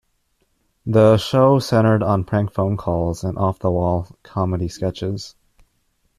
The show centered on prank phone calls and off-the-wall comedy sketches.